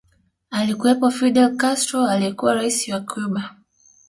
Alikuwepo Fidel Castro aliyekuwa rais wa Cuba